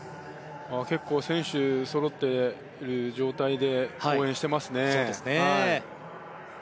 結構選手がそろっている状態で応援していますね。